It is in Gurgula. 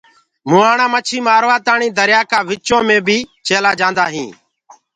مُهآڻآ مڇي مآروآتآڻي دريآ ڪآ وچو مينٚ بي چيلآ جآندآ هينٚ۔